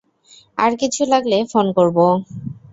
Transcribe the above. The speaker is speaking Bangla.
আর কিছু লাগলে ফোন করব।